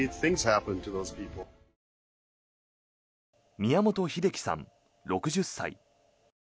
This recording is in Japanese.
宮本英樹さん、６０歳。